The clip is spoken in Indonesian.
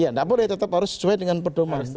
iya gak boleh tetap harus sesuai dengan perdoman